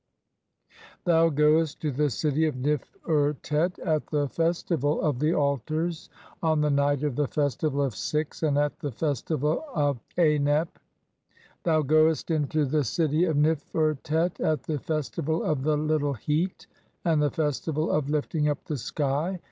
Thou goest to the city of Nif urtet at the "festival of the altars on the night of the festival of "six, and at the festival of Anep. Thou goest into "the citv of Nif urtet at the festival of the little heat, "and the festival of lifting up the sky.